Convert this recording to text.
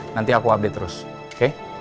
nanti aku update terus oke